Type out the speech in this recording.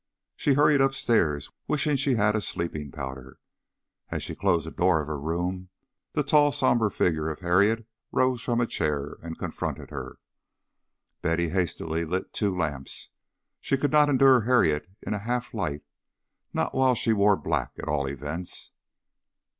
She hurried upstairs, wishing she had a sleeping powder. As she closed the door of her room, the tall sombre figure of Harriet rose from a chair and confronted her. Betty hastily lit two lamps. She could not endure Harriet in a half light, not while she wore black, at all events.